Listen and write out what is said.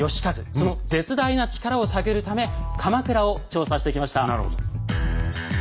その絶大な力を探るため鎌倉を調査してきました。